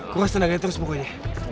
kuras tenaganya terus bukunya